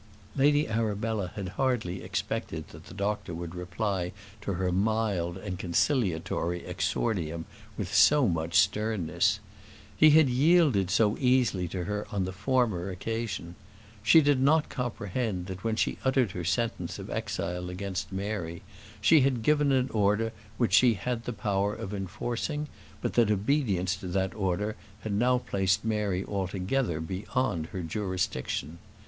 Lady Arabella had hardly expected that the doctor would reply to her mild and conciliatory exordium with so much sternness. He had yielded so easily to her on the former occasion. She did not comprehend that when she uttered her sentence of exile against Mary, she had given an order which she had the power of enforcing; but that obedience to that order had now placed Mary altogether beyond her jurisdiction.